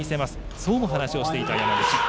そうも話していた、山口。